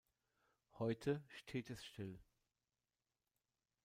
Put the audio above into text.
Heute steht es still.